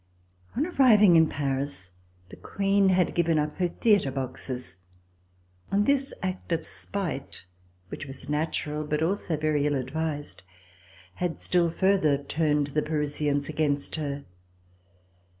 On arriving in Paris the Queen had given up her theatre boxes, and this act of spite, which was natural but also very ill advised, had still further turned the Parisians against her.